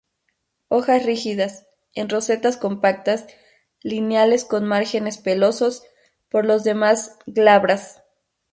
Hojas rígidas, en rosetas compactas, lineales con márgenes pelosos, por lo demás glabras.